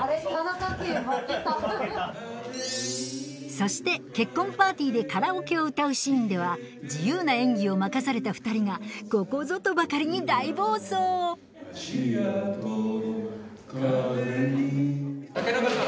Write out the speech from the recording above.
そして結婚パーティーでカラオケを歌うシーンでは自由な演技を任された２人がここぞとばかりに大暴走竹中さん